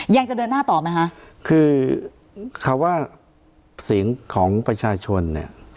ยังจะเดินหน้าต่อไหมคะคือคำว่าเสียงของประชาชนเนี่ย